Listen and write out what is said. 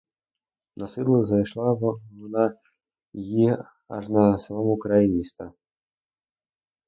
Насилу знайшла вона її аж на самому краї міста.